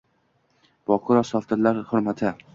Bokira sofdillar hurmati –